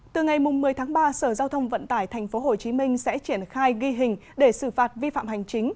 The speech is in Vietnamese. từ ngày một mươi tháng ba sở giao thông vận tải tp hcm sẽ triển khai ghi hình để xử phạt vi phạm hành chính